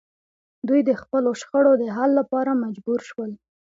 دوی د خپلو شخړو د حل لپاره مجبور شول